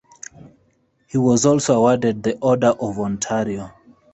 He was also awarded the Order of Ontario.